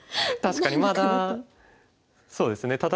確かにまだそうですね。